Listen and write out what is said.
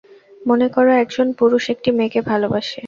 মনে কর, একজন পুরুষ একটি মেয়েকে ভালবাসে।